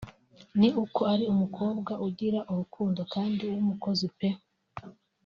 ni uko ari umukobwa ugira urukundo kandi w’umukozi pe